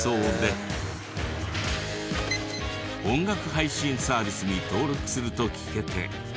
音楽配信サービスに登録すると聴けて。